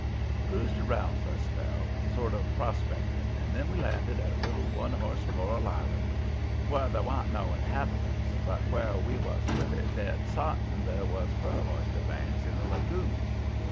"We cruised round for a spell, sort of prospecting, and then we landed at a little one horse coral island, where there wa'n't no inhabitants, but where we was pretty dead sartin there was pearl oyster banks in the lagoon.